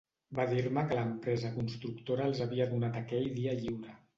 Va dir-me que l’empresa constructora els havia donat aquell dia lliure.